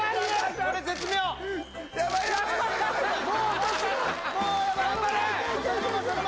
頑張れ！